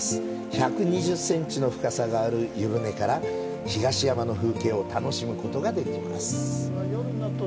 １２０センチの深さがある湯船から東山の風景を楽しむことができます。